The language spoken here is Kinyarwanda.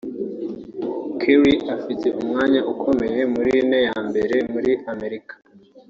Kerry afite umwanya ukomeye muri ine ya mbere muri Amerika